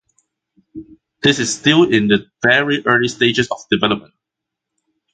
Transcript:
This is still in the very early stages of development.